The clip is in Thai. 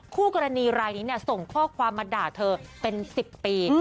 คู่กรณีรายนี้ส่งข้อความมาด่าเธอเป็น๑๐ปี